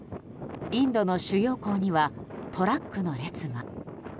インドの主要港にはトラックの列が。